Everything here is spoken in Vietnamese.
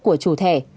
của chủ thẻ